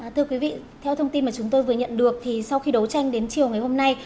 thưa quý vị theo thông tin mà chúng tôi vừa nhận được thì sau khi đấu tranh đến chiều ngày hôm nay